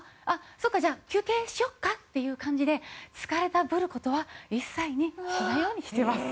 「そっかじゃあ休憩しよっか」っていう感じで疲れたぶる事は一切しないようにしてます。